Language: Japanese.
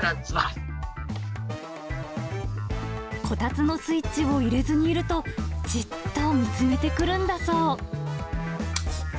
こたつのスイッチを入れずにいると、じっと見つめてくるんだそう。